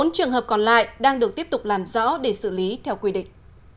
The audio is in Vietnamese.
bốn trường hợp còn lại đang được tiếp tục làm rõ để xử lý theo quy định